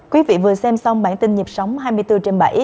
quý vị vừa xem xong bản tin nhịp sống hai mươi bốn trên bảy